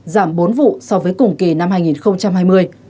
giảm bốn vụ so với cùng kỳ năm hai nghìn hai mươi